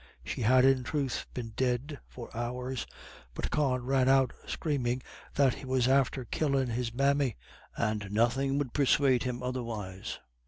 She had in truth been dead for hours, but Con ran out screaming that he was after killing his mammy, and nothing would persuade him otherwise.